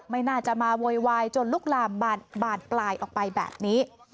ไม่น่าจะมาโวยวายจนลุกลามบานปลายออกไปแบบนี้